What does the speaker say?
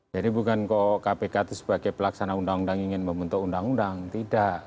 jadi bukan kok kpk itu sebagai pelaksana undang undang ingin membentuk undang undang tidak